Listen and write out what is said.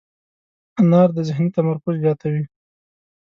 انار د ذهني تمرکز زیاتوي.